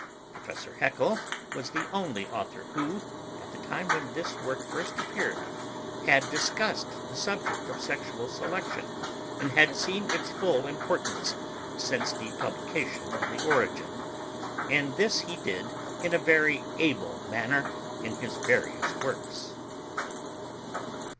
Prof. Haeckel was the only author who, at the time when this work first appeared, had discussed the subject of sexual selection, and had seen its full importance, since the publication of the 'Origin'; and this he did in a very able manner in his various works.)